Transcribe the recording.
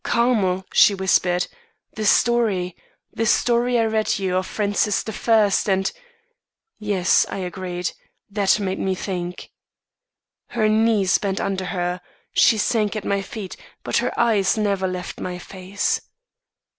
'Carmel!' she whispered, 'the story the story I read you of Francis the First and ' "'Yes,' I agreed, 'that made me think,' Her knees bent under her; she sank at my feet, but her eyes never left my face.